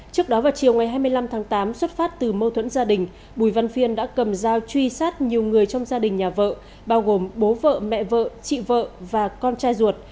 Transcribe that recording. trước đó vào chiều ngày hai mươi năm tháng tám xuất phát từ mâu thuẫn gia đình bùi văn phiên đã cầm dao truy sát nhiều người trong gia đình nhà vợ bao gồm bố vợ mẹ vợ chị vợ và con trai ruột